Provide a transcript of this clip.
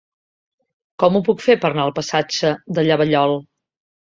Com ho puc fer per anar al passatge de Llavallol?